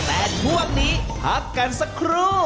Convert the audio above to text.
แต่ช่วงนี้พักกันสักครู่